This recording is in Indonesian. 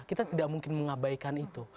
kita tidak mungkin mengabaikan itu